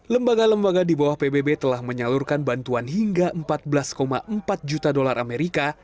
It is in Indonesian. lembaga lembaga di bawah pbb telah menyalurkan bantuan hingga empat belas empat juta dolar amerika